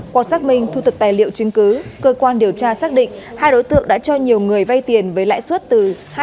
qua xác minh thu tập tài liệu chứng cứ cơ quan điều tra xác định hai đối tượng đã cho nhiều người vay tiền với lãi suất từ hai trăm tám mươi hai